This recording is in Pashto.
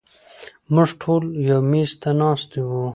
مونږ ټول يو مېز ته ناست وو